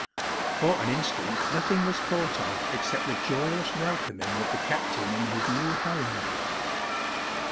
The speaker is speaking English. For an instant nothing was thought of except the joyous welcoming of the Captain in his new home.